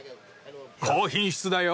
高品質だよ。